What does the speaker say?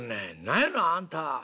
『何やのあんた！